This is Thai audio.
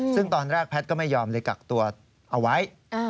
ซึ่งตอนแรกแพทย์ก็ไม่ยอมเลยกักตัวเอาไว้